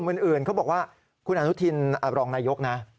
ส่วนกลุ่มอื่นเขาบอกว่าคุณอนุทินรองนายกนะ